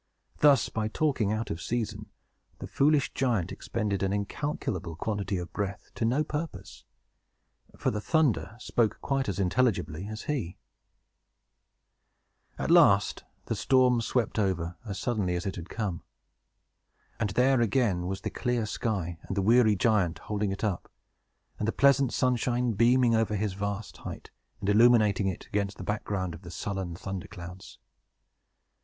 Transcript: Thus, by talking out of season, the foolish giant expended an incalculable quantity of breath, to no purpose; for the thunder spoke quite as intelligibly as he. At last, the storm swept over, as suddenly as it had come. And there again was the clear sky, and the weary giant holding it up, and the pleasant sunshine beaming over his vast height, and illuminating it against the background of the sullen thunder clouds.